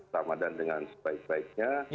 sama dan dengan sebaik baiknya